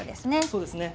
そうですね。